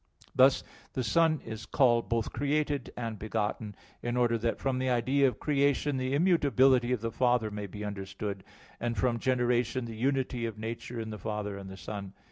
Thus the Son is called both created and begotten, in order that from the idea of creation the immutability of the Father may be understood, and from generation the unity of nature in the Father and the Son.